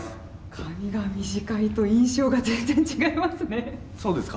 髪が短いと、印象が全然違いそうですか？